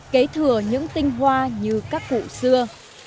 kế thừa những tinh hoa như các cụ xưa